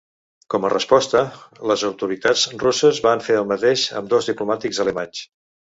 Com a resposta, les autoritats russes van fer el mateix amb dos diplomàtics alemanys.